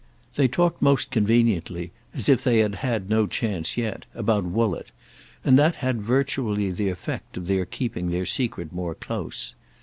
They talked most conveniently—as if they had had no chance yet—about Woollett; and that had virtually the effect of their keeping the secret more close.